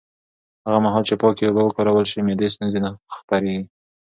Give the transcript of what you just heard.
هغه مهال چې پاکې اوبه وکارول شي، معدي ستونزې نه خپرېږي.